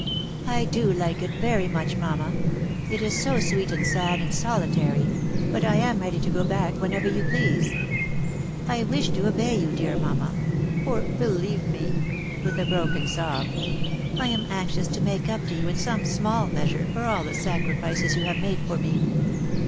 " I do like it very much, mamma ; it is so sweet and sad and solitary ; but I am ready to go back whenever you please. I wish to obey you, dear mamma ; for, believe me," with a broken sob, " I am anxious to make up to you in some small measure for all the sacrifices you have made for me."